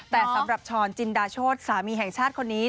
แต่สำหรับช้อนจินดาโชธสามีแห่งชาติคนนี้